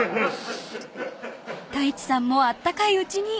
［太一さんもあったかいうちに］